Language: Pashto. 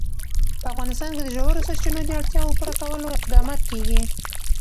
په افغانستان کې د ژورو سرچینو د اړتیاوو پوره کولو اقدامات کېږي.